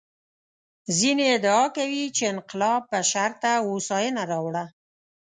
ځینې ادعا کوي چې انقلاب بشر ته هوساینه راوړه.